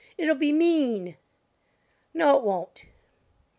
It'll be mean." "No it won't."